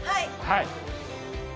はい。